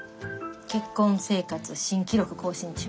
結婚生活新記録更新中。